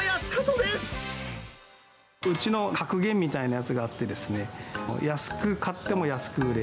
うちの格言みたいのがあってですね、安く買っても安く売れ、